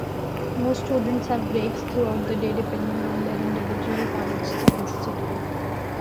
Most students have breaks throughout the day depending on their individual, college-style schedule.